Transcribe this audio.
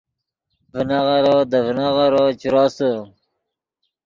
ڤینغیرو دے ڤینغیرو چے روسے